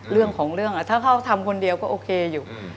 เรื่องของเรื่องถ้าเขาทำคนเดียวก็โอเคอยู่